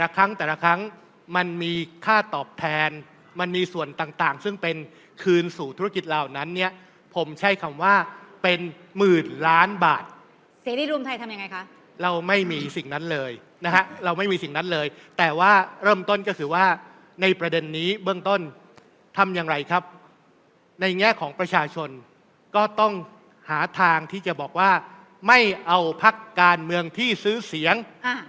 ครั้งแต่ละครั้งมันมีค่าตอบแทนมันมีส่วนต่างซึ่งเป็นคืนสู่ธุรกิจเหล่านั้นเนี่ยผมใช้คำว่าเป็นหมื่นล้านบาทเสรีรวมไทยทำยังไงคะเราไม่มีสิ่งนั้นเลยนะฮะเราไม่มีสิ่งนั้นเลยแต่ว่าเริ่มต้นก็คือว่าในประเด็นนี้เบื้องต้นทำอย่างไรครับในแง่ของประชาชนก็ต้องหาทางที่จะบอกว่าไม่เอาพักการเมืองที่ซื้อเสียง